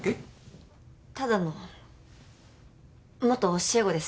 ただの元教え子です